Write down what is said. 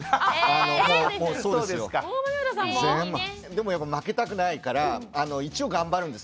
でもやっぱ負けたくないから一応頑張るんです。